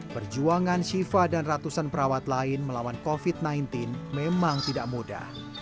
perjuangan shiva dan ratusan perawat lain melawan covid sembilan belas memang tidak mudah